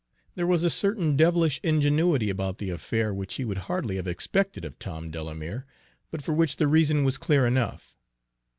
There was a certain devilish ingenuity about the affair which he would hardly have expected of Tom Delamere, but for which the reason was clear enough.